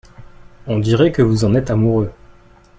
On dirait que vous en êtes amoureux !